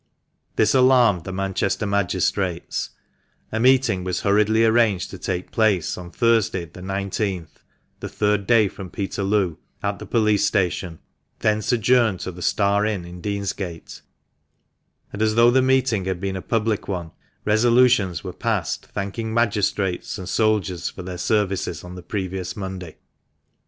This alarmed the Manchester magistrates ; a meeting was hurriedly arranged to take place on Thursday, the igth (the third day from Peterloo), at the Police Station ; thence adjourned to the " Star Inn " in Deansgate ; and, as though the meeting had been a public one, resolutions were passed thanking magistrates and soldiers for their services on the previous Monday.